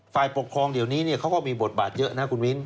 ฝ่ายปกครองเดี๋ยวนี้เขาก็มีบทบาทเยอะนะคุณมิ้น